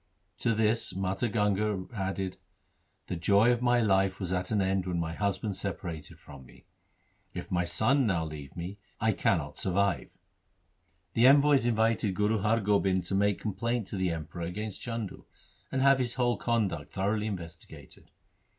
To this Mata Ganga added, ' The joy of my life was at an end when my husband separated from me. If my son now leave me, I cannot survive.' The envoys invited Guru Har Gobind to make complaint to the Emperor against Chandu, and have his whole conduct thoroughly investigated.